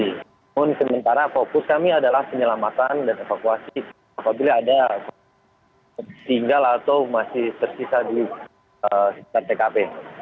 namun sementara fokus kami adalah penyelamatan dan evakuasi apabila ada tinggal atau masih tersisa di sekitar tkp